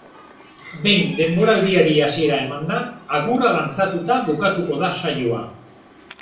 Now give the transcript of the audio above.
Behin denboraldiari hasiera emanda, agurra dantzatuta bukatuko da saioa.